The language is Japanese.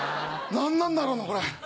何なんだろうなこれ。